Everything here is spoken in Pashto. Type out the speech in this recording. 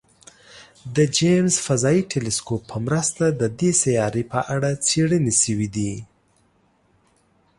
د جیمز فضايي ټیلسکوپ په مرسته د دې سیارې په اړه څېړنې شوي دي.